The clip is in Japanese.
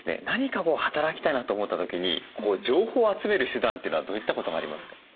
何か働きたいなと思った時に情報を集める手段というのはどういったことがありますか？